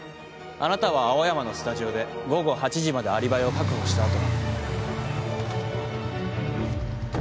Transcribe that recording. あなたは青山のスタジオで午後８時までアリバイを確保した後。